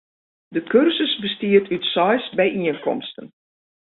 De kursus bestiet út seis byienkomsten.